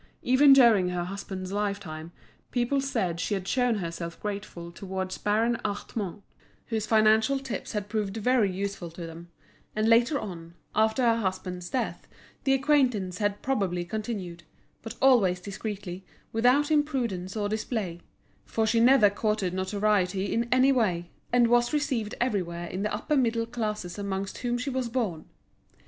Even during her husband's lifetime people said she had shown herself grateful towards Baron Hartmann, whose financial tips had proved very useful to them; and later on, after her husband's death, the acquaintance had probably continued, but always discreetly, without imprudence or display; for she never courted notoriety in any way, and was received everywhere in the upper middle classes amongst whom she was born.